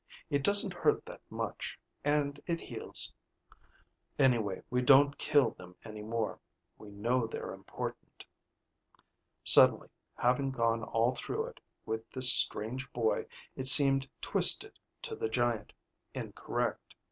It doesn't hurt that much, and it heals. Anyway, we don't kill them any more. We know they're important...." Suddenly, having gone all through it with this strange boy, it seemed twisted to the giant, incorrect.